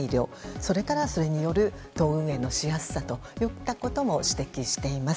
それからそれによる党運営のしやすさといったことも指摘しています。